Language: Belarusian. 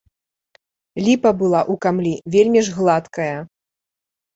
Ліпа была ў камлі вельмі ж гладкая.